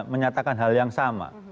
menyatakan hal yang sama